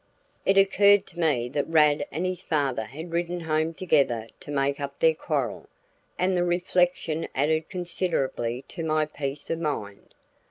It occurred to me that Rad and his father had ridden home together to make up their quarrel, and the reflection added considerably to my peace of mind.